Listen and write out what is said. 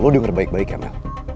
lo denger baik baik ya mel